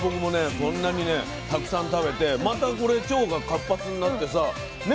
こんなにねたくさん食べてまたこれ腸が活発になってさね